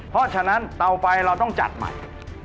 เพราะฉะนั้นเตาไฟเราต้องจัดใหม่